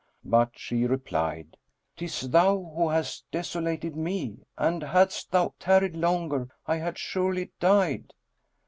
But she replied, "'Tis thou who hast desolated me; and hadst thou tarried longer, I had surely died!"